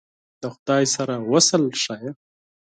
د خدای سره وصل ښه !